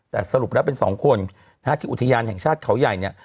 แต่สรุปแล้วเป็นสองคนนะฮะที่อุทยานแห่งชาติเขาใหญ่เนี่ย